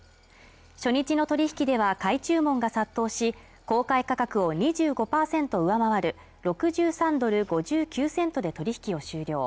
初日の取引では買い注文が殺到し公開価格を２５％を上回る６３ドル５９セントで取引を終了